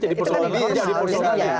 itu kan di bilis